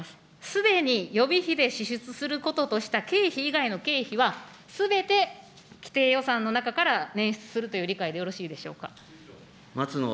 すでに予備費で支出することとした経費以外の経費は、すべて既定予算の中からねん出するという理解でよろしいでしょう松野